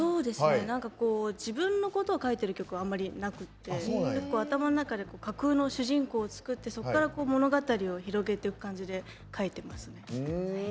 自分のことを書いてる曲はあんまりなくて頭の中で架空の主人公を作ってそこから物語を広げていく感じで書いてますね。